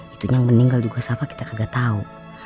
itu yang meninggal juga siapa kita gak tahu